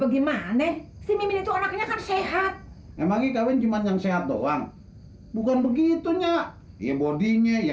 gimana sih mimin itu anaknya sehat emang kita cuman yang sehat doang bukan begitu nya ya bodinya ya